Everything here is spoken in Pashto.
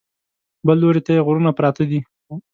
بل لوري ته یې غرونه پراته دي.